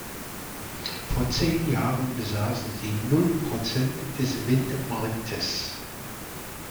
Vor zehn Jahren besaßen sie null Prozent des Windmarktes.